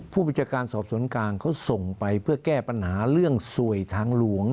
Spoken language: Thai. ผู้บัญชาการสอบสวนกลางเขาส่งไปเพื่อแก้ปัญหาเรื่องสวยทางหลวง